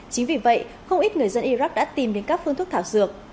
chính vì vậy không ít người dân iraq đã tìm đến các phương thức thảo dược